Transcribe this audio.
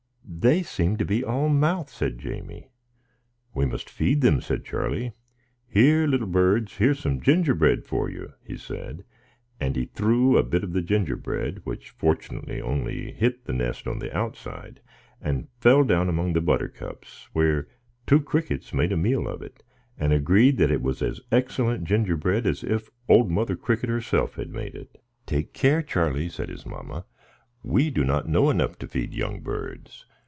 "They seem to be all mouth," said Jamie. "We must feed them," said Charlie.—"Here, little birds, here's some gingerbread for you," he said; and he threw a bit of his gingerbread, which fortunately only hit the nest on the outside, and fell down among the buttercups, where two crickets made a meal of it, and agreed that it was as excellent gingerbread as if old Mother Cricket herself had made it. "Take care, Charlie," said his mamma; "we do not know enough to feed young birds.